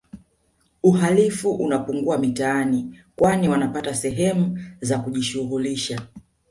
Uhalifu unapungua mitaani kwani wanapata sehemu za kujishughulisha